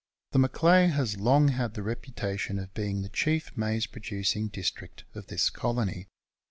The Macleay has long had the reputation of being the chief maize producing district of this Colony.